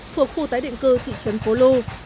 thuộc khu tái định cư thị trấn phố lu